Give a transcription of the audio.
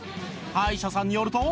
歯医者さんによると